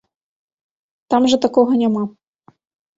Там жа такога няма.